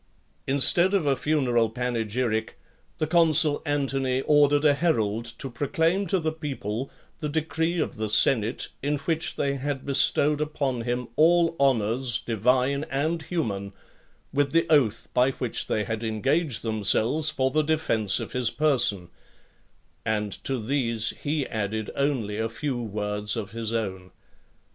Instead of a funeral panegyric, the consul Antony ordered a herald to proclaim to the people the decree of the senate, in which they had bestowed upon him all honours, divine and human; with the oath by which they had engaged themselves for the defence of his person; and to these he added only a few words of his own.